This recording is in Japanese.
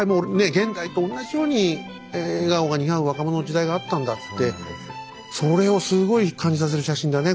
現代と同じように笑顔が似合う若者の時代があったんだっつってそれをすごい感じさせる写真だね